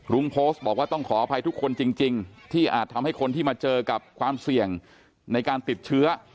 โพสต์บอกว่าต้องขออภัยทุกคนจริงที่อาจทำให้คนที่มาเจอกับความเสี่ยงในการติดเชื้อ